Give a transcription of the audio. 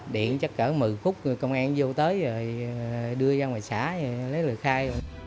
điện chắc cỡ một mươi phút công an vô tới rồi đưa ra ngoài xã lấy lời khai